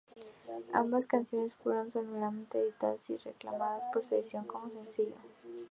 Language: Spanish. Ambas canciones fueron someramente editadas y remezcladas para su edición como sencillo.